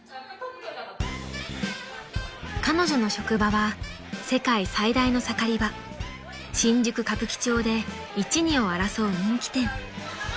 ［彼女の職場は世界最大の盛り場新宿歌舞伎町で１２を争う人気店］